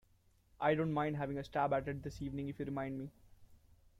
I don't mind having a stab at it this evening if you remind me.